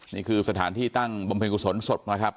นี่คือสถานที่ตั้งบรรพิกฤษศนสดนะครับ